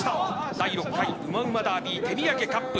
第６回うまうまダービー手土産カップ。